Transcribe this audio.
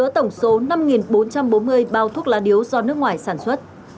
hai mươi ba thùng các tông chứa tổng số năm bốn trăm bốn mươi bao thuốc lá điếu do nước ngoài sản xuất